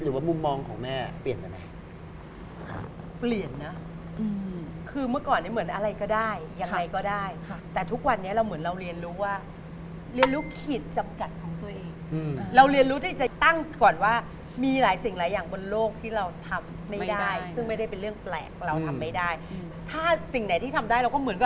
เดี๋ยวมันจะเป็นปัญหาอีกเดี๋ยวมันจะเลิกเอง